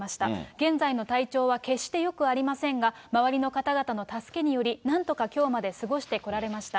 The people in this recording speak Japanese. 現在の体調は決してよくありませんが、周りの方々の助けにより、なんとかきょうまで過ごしてこられました。